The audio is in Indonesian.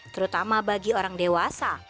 terutama bagi orang dewasa